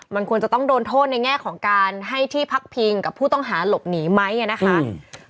มันควรจะต้องโดนโทษในแง่ของการให้ที่พักพิงกับผู้ต้องหาหลบหนีไหมอ่ะนะคะอืม